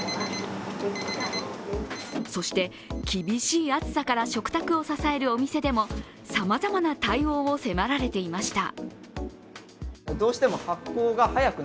そして、厳しい暑さから食卓を支えるお店でもさまざまな対応を迫られていました。